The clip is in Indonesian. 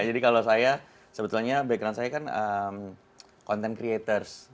jadi kalau saya sebetulnya background saya kan content creators